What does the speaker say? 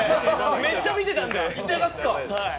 めっちゃ見てたんで。